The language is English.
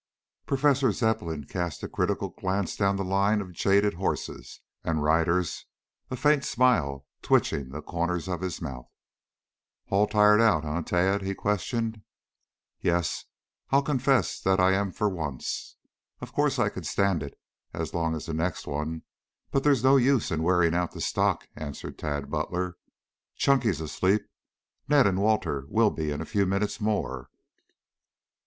Professor Zepplin cast a critical glance down the line of jaded horses and riders, a faint smile twitching the corners of his mouth. "All tired out, eh, Tad?" he questioned. "Yes, I'll confess that I am for once. Of course I can stand it as long as the next one, but there's no use in wearing out the stock," answered Tad Butler. "Chunky's asleep. Ned and Walter will be in a few minutes more."